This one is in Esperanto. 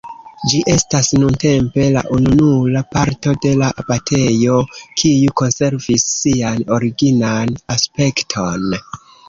Ĝi estas nuntempe la ununura parto de la abatejo kiu konservis sian originan aspekton.